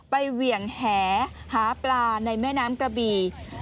เหวี่ยงแหหาปลาในแม่น้ำกระบี่